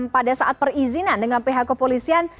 pada saat perizinan dengan pihak kepolisian